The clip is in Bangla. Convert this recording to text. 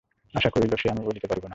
আশা কহিল, সে আমি বলিতে পারিব না।